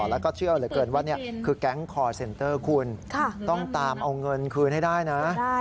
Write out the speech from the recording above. แล้วก็เชื่อเหลือเกินว่านี่คือแก๊งคอร์เซ็นเตอร์คุณต้องตามเอาเงินคืนให้ได้นะ